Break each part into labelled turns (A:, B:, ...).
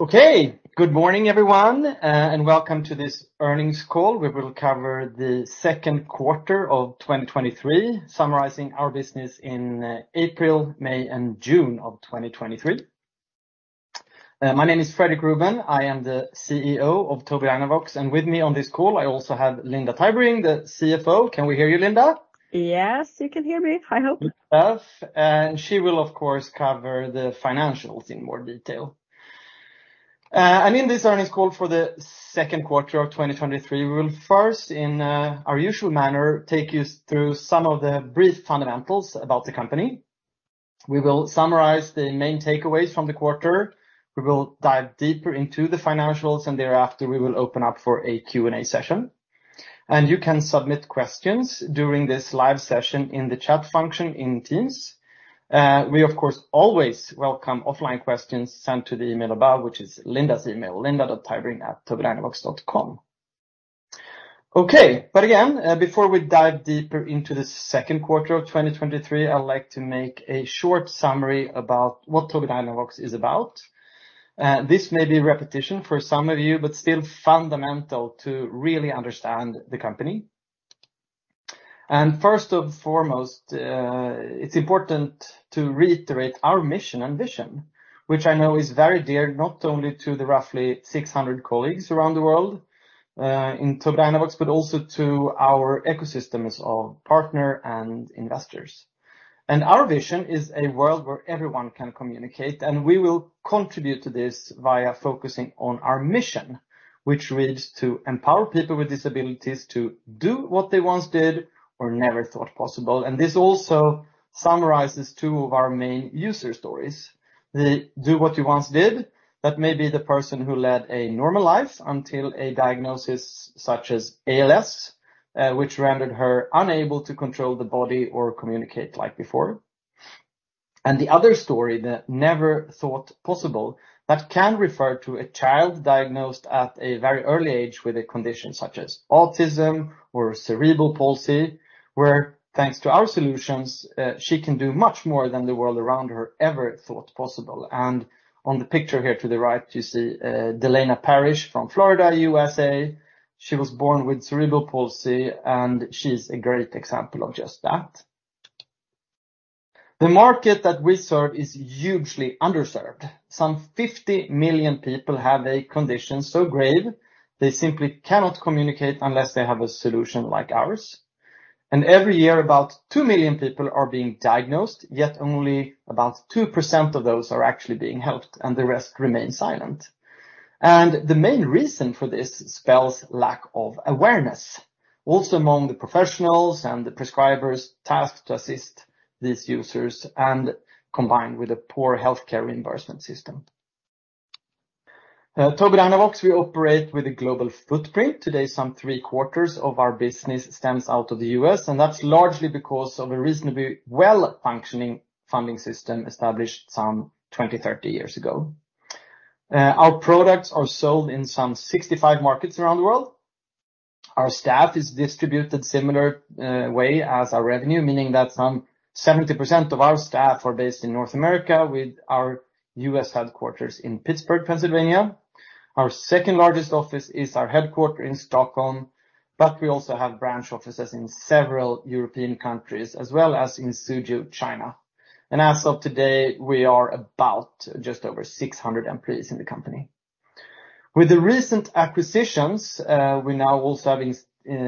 A: Okay. Good morning, everyone, and welcome to this earnings call. We will cover the second quarter of 2023, summarizing our business in April, May, and June of 2023. My name is Fredrik Ruben. I am the CEO of Tobii Dynavox, and with me on this call, I also have Linda Tybring, the CFO. Can we hear you, Linda?
B: Yes, you can hear me, I hope.
A: Yes, she will, of course, cover the financials in more detail. In this earnings call for the second quarter of 2023, we will first, in our usual manner, take you through some of the brief fundamentals about the company. We will summarize the main takeaways from the quarter. We will dive deeper into the financials, and thereafter, we will open up for a Q&A session. You can submit questions during this live session in the chat function in Teams. We of course always welcome offline questions sent to the email above, which is Linda's email, linda.tybring@tobiidynavox.com. Okay, but again, before we dive deeper into the second quarter of 2023, I'd like to make a short summary about what Tobii Dynavox is about. This may be repetition for some of you, but still fundamental to really understand the company. First and foremost, it's important to reiterate our mission and vision, which I know is very dear not only to the roughly 600 colleagues around the world in Tobii Dynavox, but also to our ecosystems of partner and investors. Our vision is a world where everyone can communicate, and we will contribute to this via focusing on our mission, which reads, "To empower people with disabilities to do what they once did or never thought possible." This also summarizes two of our main user stories. The, do what you once did, that may be the person who led a normal life until a diagnosis such as ALS, which rendered her unable to control the body or communicate like before. The other story, the never thought possible, that can refer to a child diagnosed at a very early age with a condition such as autism or cerebral palsy, where thanks to our solutions, she can do much more than the world around her ever thought possible. On the picture here to the right, you see Delaina Parrish from Florida, USA. She was born with cerebral palsy, she's a great example of just that. The market that we serve is hugely underserved. Some 50 million people have a condition so grave, they simply cannot communicate unless they have a solution like ours. Every year, about 2 million people are being diagnosed, yet only about 2% of those are actually being helped, and the rest remain silent. The main reason for this spells lack of awareness, also among the professionals, and the prescribers tasked to assist these users and combined with a poor healthcare reimbursement system. Tobii Dynavox, we operate with a global footprint. Today, some three-quarters of our business stems out of the U.S., and that's largely because of a reasonably well-functioning funding system established some 20, 30 years ago. Our products are sold in some 65 markets around the world. Our staff is distributed similar way as our revenue, meaning that some 70% of our staff are based in North America, with our U.S. headquarters in Pittsburgh, Pennsylvania. Our second largest office is our headquarter in Stockholm, but we also have branch offices in several European countries, as well as in Suzhou, China. As of today, we are about just over 600 employees in the company. With the recent acquisitions, we now also have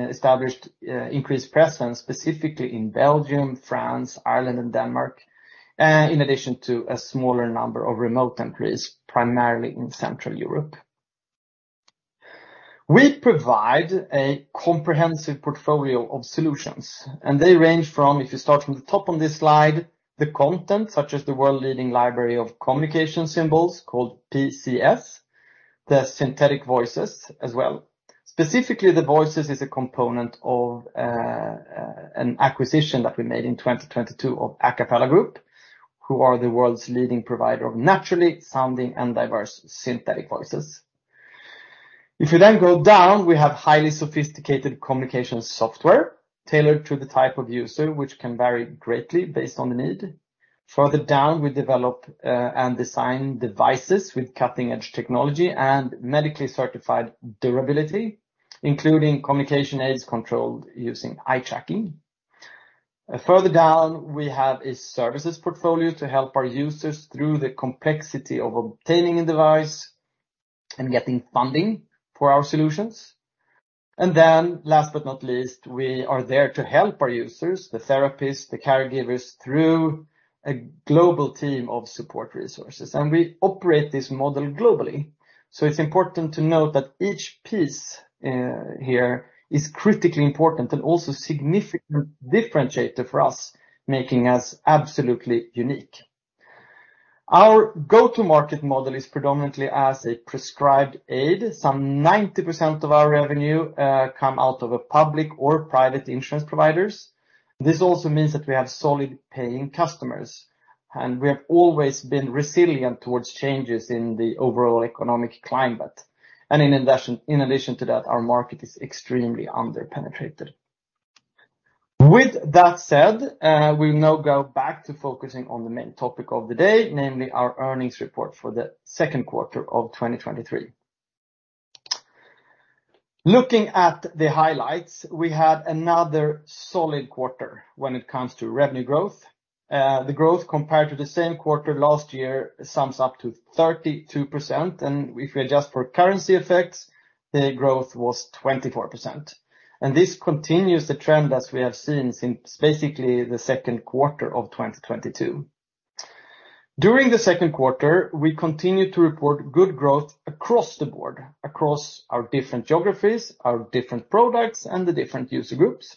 A: established increased presence, specifically in Belgium, France, Ireland, and Denmark, in addition to a smaller number of remote countries, primarily in Central Europe. We provide a comprehensive portfolio of solutions, and they range from, if you start from the top on this slide, the content, such as the world-leading library of communication symbols called PCS, the synthetic voices as well. Specifically, the voices is a component of an acquisition that we made in 2022 of Acapela Group, who are the world's leading provider of naturally sounding and diverse synthetic voices. If you then go down, we have highly sophisticated communication software tailored to the type of user, which can vary greatly based on the need. Further down, we develop and design devices with cutting-edge technology and medically certified durability, including communication aids controlled using eye tracking. Further down, we have a services portfolio to help our users through the complexity of obtaining a device, and getting funding for our solutions. Then last but not least, we are there to help our users, the therapists, the caregivers, through a global team of support resources. We operate this model globally, so it's important to note that each piece here is critically important and also significant differentiator for us, making us absolutely unique. Our go-to-market model is predominantly as a prescribed aid. Some 90% of our revenue come out of a public or private insurance providers. This also means that we have solid paying customers, and we have always been resilient towards changes in the overall economic climate. In addition to that, our market is extremely underpenetrated. With that said, we'll now go back to focusing on the main topic of the day, namely our earnings report for the second quarter of 2023. Looking at the highlights, we had another solid quarter when it comes to revenue growth. The growth compared to the same quarter last year sums up to 32%. If we adjust for currency effects, the growth was 24%. This continues the trend as we have seen since basically the second quarter of 2022. During the second quarter, we continued to report good growth across the board, across our different geographies, our different products, and the different user groups.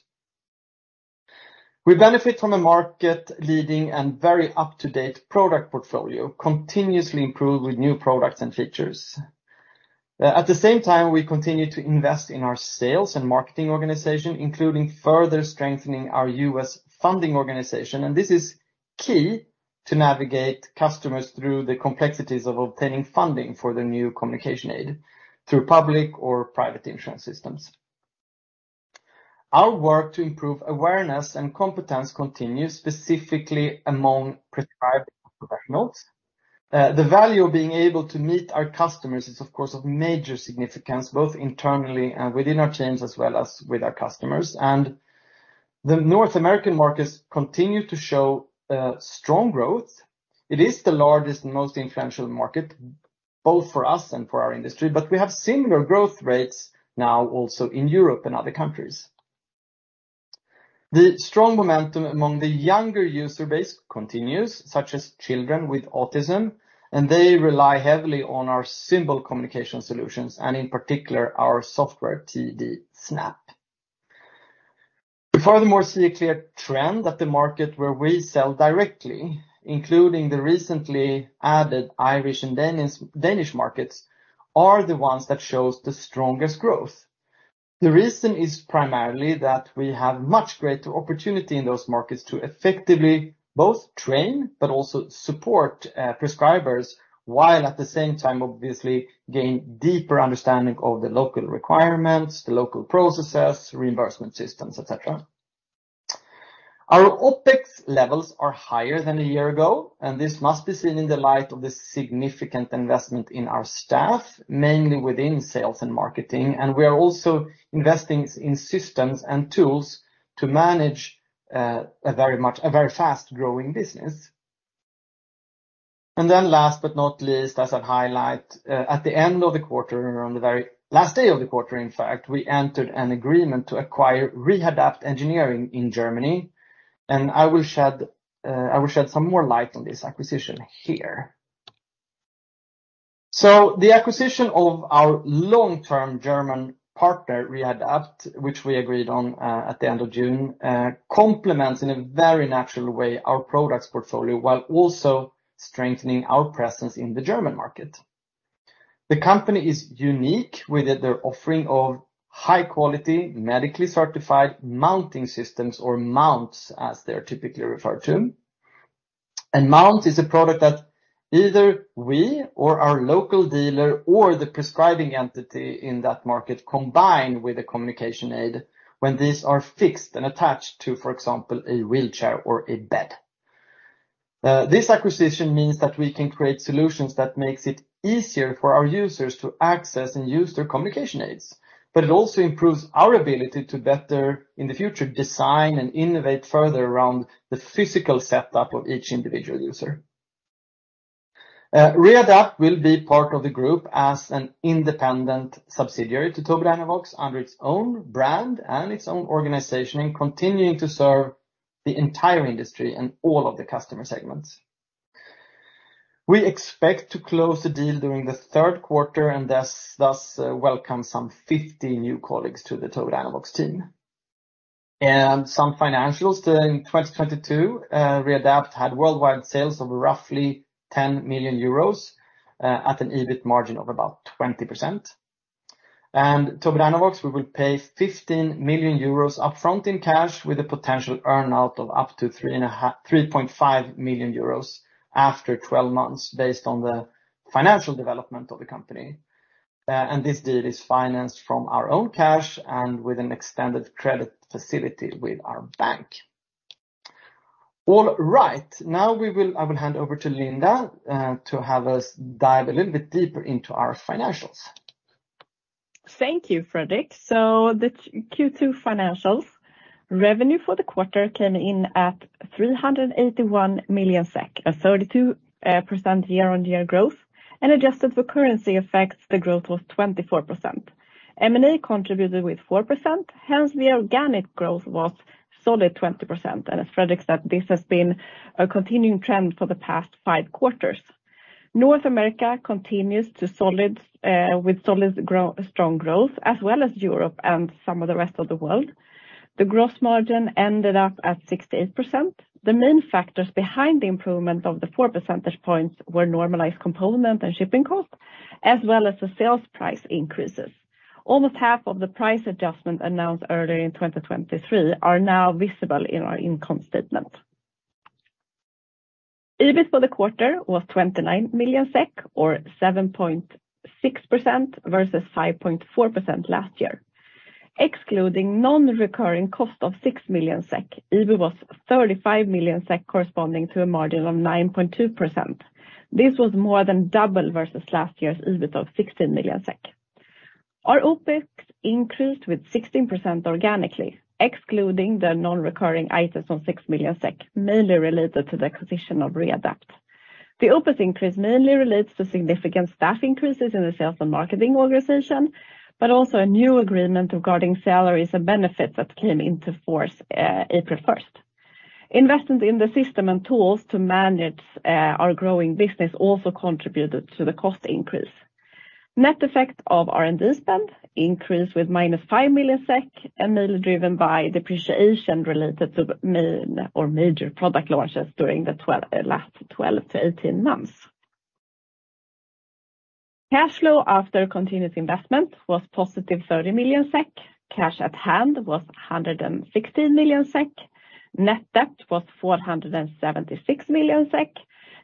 A: We benefit from a market-leading and very up-to-date product portfolio, continuously improved with new products and features. At the same time, we continue to invest in our sales and marketing organization, including further strengthening our U.S. funding organization. This is key to navigate customers through the complexities of obtaining funding for their new communication aid through public or private insurance systems. Our work to improve awareness and competence continues, specifically among prescribed professionals. The value of being able to meet our customers is of course of major significance, both internally and within our teams, as well as with our customers. The North American markets continue to show strong growth. It is the largest and most influential market, both for us and for our industry, but we have similar growth rates now also in Europe and other countries. The strong momentum among the younger user base continues, such as children with autism, they rely heavily on our symbol communication solutions and in particular, our software, TD Snap. We furthermore see a clear trend that the market where we sell directly, including the recently added Irish and Danish markets, are the ones that shows the strongest growth. The reason is primarily that we have much greater opportunity in those markets to effectively both train but also support prescribers, while at the same time, obviously gain deeper understanding of the local requirements, the local processes, reimbursement systems, etc. Our OpEx levels are higher than a year ago. This must be seen in the light of the significant investment in our staff, mainly within sales and marketing. We are also investing in systems and tools to manage a very fast-growing business. Last but not least, as a highlight, at the end of the quarter, on the very last day of the quarter, in fact we entered an agreement to acquire Rehadapt Engineering in Germany, and I will shed some more light on this acquisition here. The acquisition of our long-term German partner, Rehadapt, which we agreed on at the end of June, complements in a very natural way our products portfolio, while also strengthening our presence in the German market. The company is unique with their offering of high quality, medically certified mounting systems, or mounts, as they are typically referred to. Mount is a product that either we or our local dealer or the prescribing entity in that market, combine with a communication aid when these are fixed and attached to, for example, a wheelchair or a bed. This acquisition means that we can create solutions that makes it easier for our users to access and use their communication aids, but it also improves our ability to better, in the future, design and innovate further around the physical setup of each individual user. Rehadapt will be part of the group as an independent subsidiary to Tobii Dynavox under its own brand and its own organization, and continuing to serve the entire industry and all of the customer segments. We expect to close the deal during the third quarter, and thus welcome some 50 new colleagues to the Tobii Dynavox team. Some financials. In 2022, Rehadapt had worldwide sales of roughly 10 million euros, at an EBIT margin of about 20%. Tobii Dynavox, we will pay 15 million euros upfront in cash, with a potential earn out of up to 3.5 million euros after 12 months, based on the financial development of the company. This deal is financed from our own cash and with an extended credit facility with our bank. All right, now I will hand over to Linda, to have us dive a little bit deeper into our financials.
B: Thank you, Fredrik. The Q2 financials. Revenue for the quarter came in at 381 million SEK, a 32% year-on-year growth, and adjusted for currency effects, the growth was 24%. M&A contributed with 4%, hence the organic growth was solid 20%. As Fredrik said, this has been a continuing trend for the past five quarters. North America continues with solid, strong growth, as well as Europe, and some of the rest of the world. The gross margin ended up at 68%. The main factors behind the improvement of the four percentage points were normalized component and shipping costs, as well as the sales price increases. Almost half of the price adjustment announced earlier in 2023 are now visible in our income statement. EBIT for the quarter was 29 million SEK, or 7.6% versus 5.4% last year. Excluding non-recurring cost of 6 million SEK, EBIT was 35 million SEK, corresponding to a margin of 9.2%. This was more than double versus last year's EBIT of 16 million SEK. Our OpEx increased with 16% organically, excluding the non-recurring items on 6 million SEK, mainly related to the acquisition of Rehadapt. The OpEx increase mainly relates to significant staff increases in the sales and marketing organization, but also a new agreement regarding salaries and benefits that came into force, April 1st. Investments in the system and tools to manage our growing business also contributed to the cost increase. Net effect of R&D spend increased with -5 million SEK, and mainly driven by depreciation related to main or major product launches during the last 12 months-18 months. Cash flow after continuous investment was 30 million SEK. Cash at hand was 116 million SEK. Net debt was 476 million SEK,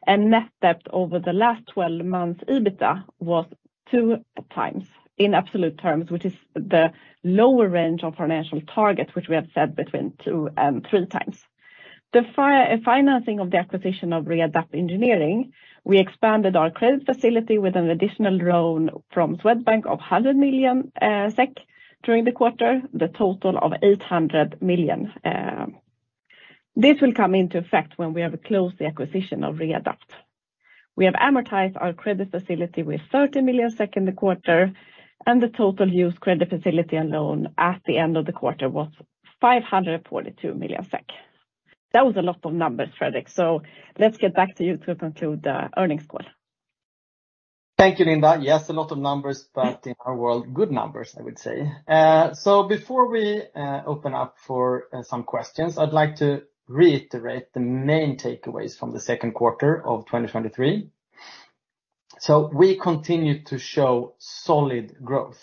B: and net debt over the last 12 months, EBITDA was 2x in absolute terms, which is the lower range of our financial target, which we have said between 2x and 3x. The financing of the acquisition of Rehadapt Engineering, we expanded our credit facility with an additional loan from Swedbank of 100 million SEK during the quarter, the total of 800 million. This will come into effect when we have closed the acquisition of Rehadapt. We have amortized our credit facility with 30 million in the quarter, and the total used credit facility and loan at the end of the quarter was 542 million SEK. That was a lot of numbers, Fredrik. Let's get back to you to conclude the earnings call.
A: Thank you, Linda. Yes, a lot of numbers, but in our world, good numbers I would say. Before we open up for some questions, I'd like to reiterate the main takeaways from the second quarter of 2023. We continue to show solid growth,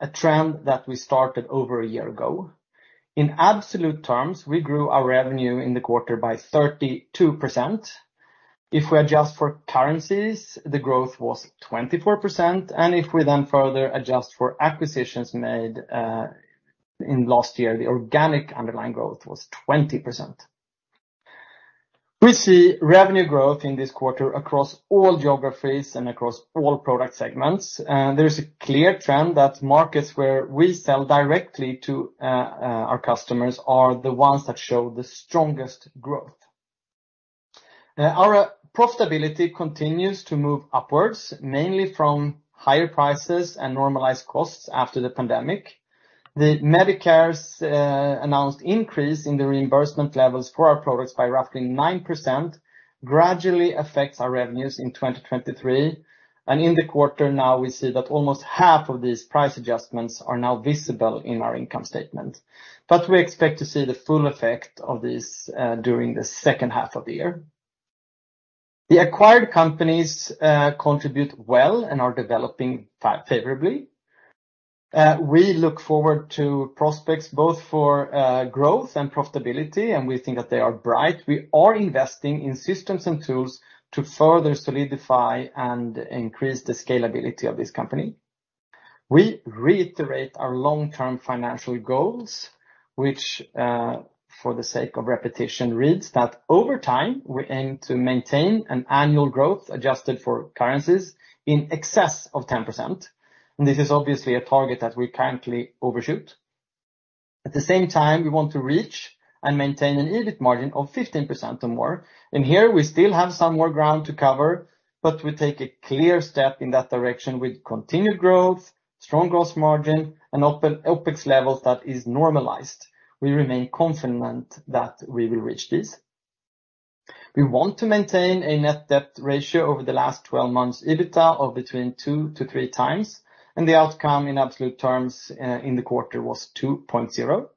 A: a trend that we started over a year ago. In absolute terms, we grew our revenue in the quarter by 32%. If we adjust for currencies, the growth was 24% and if we then further adjust for acquisitions made in last year, the organic underlying growth was 20%. We see revenue growth in this quarter across all geographies, and across all product segments. There is a clear trend that markets where we sell directly to our customers are the ones that show the strongest growth. Our profitability continues to move upwards, mainly from higher prices and normalized costs after the pandemic. The Medicare's announced increase in the reimbursement levels for our products by roughly 9% gradually affects our revenues in 2023. In the quarter now, we see that almost half of these price adjustments are now visible in our income statement, but we expect to see the full effect of this during the second half of the year. The acquired companies contribute well and are developing favorably. We look forward to prospects both for growth and profitability, and we think that they are bright. We are investing in systems and tools to further solidify and increase the scalability of this company. We reiterate our long-term financial goals, which for the sake of repetition, reads that over time, we aim to maintain an annual growth adjusted for currencies in excess of 10%. This is obviously a target that we currently overshoot. At the same time, we want to reach and maintain an EBIT margin of 15% or more. Here we still have some more ground to cover, but we take a clear step in that direction with continued growth, strong growth margin, and OpEx levels that is normalized. We remain confident that we will reach this. We want to maintain a net debt ratio over the last 12 months EBITDA, of between 2x-3x, and the outcome in absolute terms in the quarter was 2.0.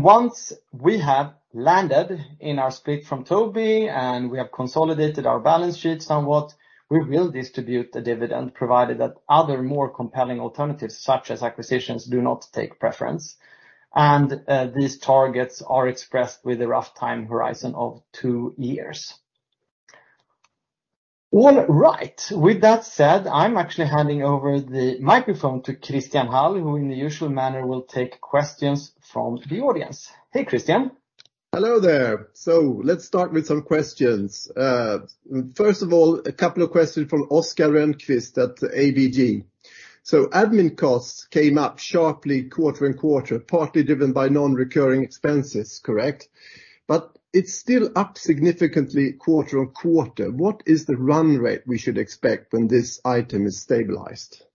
A: Once we have landed in our split from Tobii, and we have consolidated our balance sheet somewhat, we will distribute a dividend, provided that other more compelling alternatives, such as acquisitions do not take preference. These targets are expressed with a rough time horizon of two years. All right, with that said, I'm actually handing over the microphone to Christian Hall, who in the usual manner, will take questions from the audience. Hey, Christian.
C: Hello there. Let's start with some questions. First of all, a couple of questions from Oskar Rönnkvist at ABG. Admin costs came up sharply quarter and quarter, partly driven by non-recurring expenses, correct? It's still up significantly quarter on quarter. What is the run rate we should expect when this item is stabilized?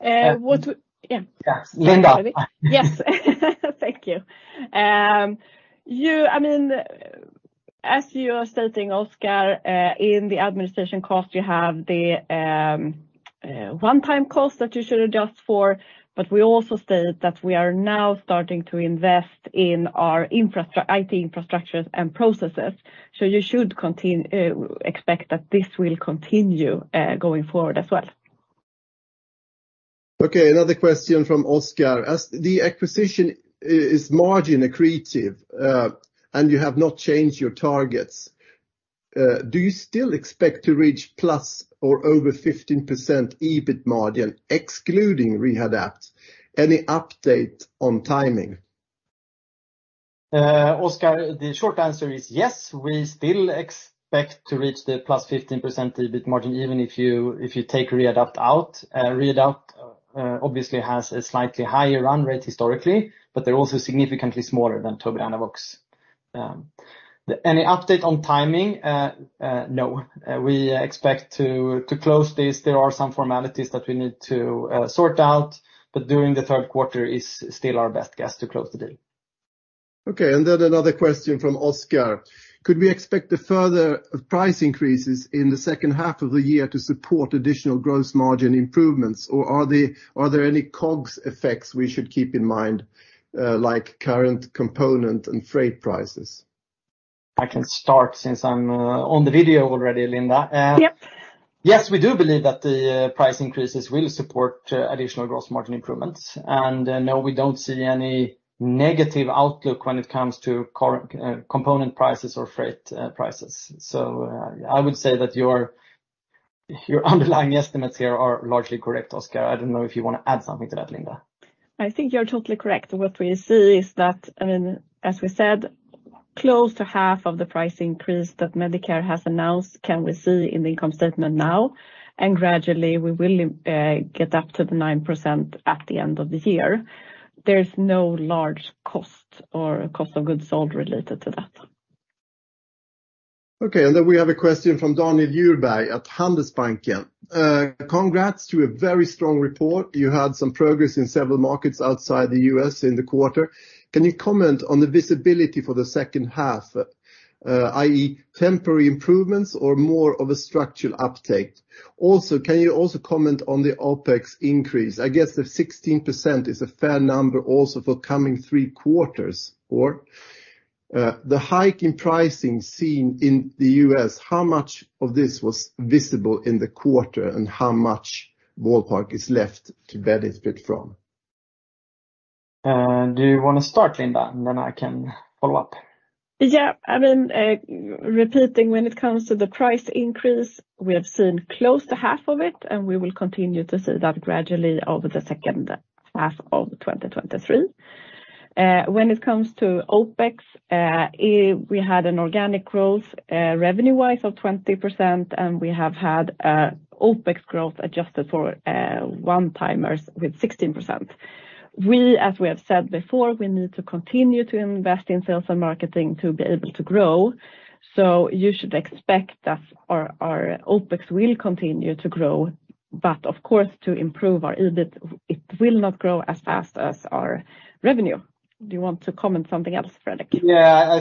B: Yeah.
A: Yes, Linda.
B: Yes. Thank you. I mean, as you are stating, Oskar, in the administration cost, you have the one-time cost that you should adjust for. We also stated that we are now starting to invest in our IT infrastructures and processes. You should expect that this will continue going forward as well.
C: Okay, another question from Oscar. As the acquisition is margin accretive and you have not changed your targets, do you still expect to reach plus or over 15% EBIT margin, excluding Rehadapt? Any update on timing?
A: Oskar, the short answer is yes. We still expect to reach the +15% EBIT margin, even if you take Rehadapt out. Rehadapt obviously has a slightly higher run rate historically, but they're also significantly smaller than Tobii Dynavox. Any update on timing? No, we expect to close this. There are some formalities that we need to sort out, but during the third quarter is still our best guess to close the deal.
C: Okay, another question from Oskar. Could we expect further price increases in the second half of the year to support additional gross margin improvements, or are there any COGS effects we should keep in mind, like current component and freight prices?
A: I can start since I'm on the video already, Linda.
B: Yep.
A: Yes, we do believe that the price increases will support additional gross margin improvements, and no, we don't see any negative outlook when it comes to current component prices or freight prices. I would say that your underlying estimates here are largely correct, Oskar. I don't know if you want to add something to that, Linda.
B: I think you're totally correct. What we see is that, I mean, as we said, close to half of the price increase that Medicare has announced, can we see in the income statement now, and gradually, we will get up to the 9% at the end of the year. There is no large cost or cost of goods sold related to that.
C: Okay, and then we have a question from Daniel Djurberg at Handelsbanken.
D: Congrats to a very strong report. You had some progress in several markets outside the U.S. in the quarter. Can you comment on the visibility for the second half, i.e., temporary improvements or more of a structural uptake? Can you also comment on the OpEx increase? I guess the 16% is a fair number also for coming three quarters, or the hike in pricing seen in the U.S., how much of this was visible in the quarter, and how much ballpark is left to benefit from?
A: Do you want to start, Linda, and then I can follow up?
B: Yeah. I mean, repeating when it comes to the price increase, we have seen close to half of it, and we will continue to see that gradually over the second half of 2023. When it comes to OpEx, we had an organic growth, revenue-wise, of 20%, and we have had OpEx growth adjusted for one-timers with 16%. As we have said before, we need to continue to invest in sales and marketing to be able to grow. You should expect that our OpEx will continue to grow, but of course, to improve our EBIT, it will not grow as fast as our revenue. Do you want to comment something else, Fredrik?
A: Yeah,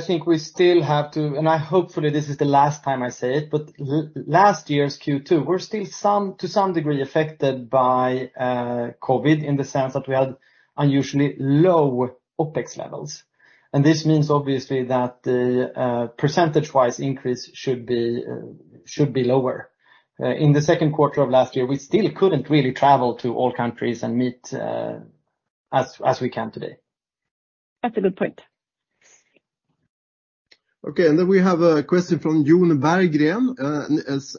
A: and I hopefully this is the last time I say it, but last year's Q2, we're still to some degree, affected by COVID, in the sense that we had unusually low OpEx levels. This means obviously that the percentage-wise increase should be lower. In the second quarter of last year, we still couldn't really travel to all countries and meet as we can today.
B: That's a good point.
C: Okay, we have a question from Johan Berggren,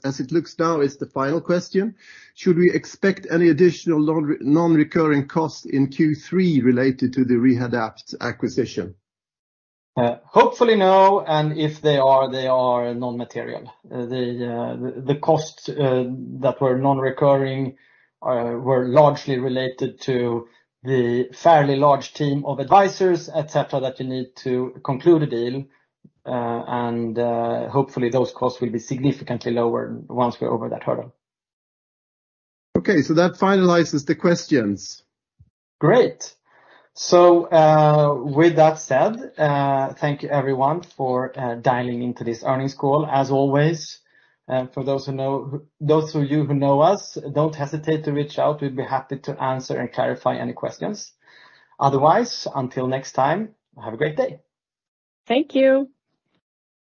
C: as it looks now, it's the final question. Should we expect any additional non-recurring costs in Q3 related to the Rehadapt acquisition?
A: Hopefully, no, and if they are, they are non-material. The costs that were non-recurring were largely related to the fairly large team of advisors, etc, that you need to conclude a deal. Hopefully, those costs will be significantly lower once we're over that hurdle.
C: Okay, that finalizes the questions.
A: Great. With that said, thank you, everyone for dialing into this earnings call. As always, for those of you who know us, don't hesitate to reach out. We'd be happy to answer and clarify any questions. Otherwise, until next time, have a great day.
B: Thank you.